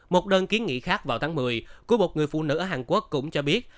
một đơn kiến nghị khác vào tháng một mươi của một người phụ nữ ở hàn quốc cũng cho biết